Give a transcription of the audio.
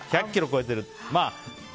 １００ｋｇ超えてるって。